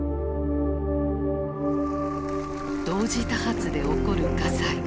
同時多発で起こる火災。